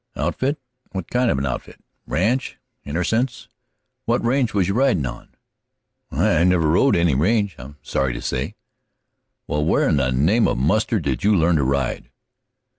"Outfit? What kind of an outfit?" "Ranch, innercence; what range was you ridin' on?" "I never rode any range, I'm sorry to say." "Well, where in the name of mustard did you learn to ride?"